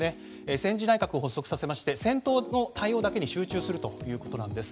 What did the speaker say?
戦時内閣を発足させて戦闘の対応だけに集中するということです。